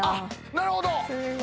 なるほど。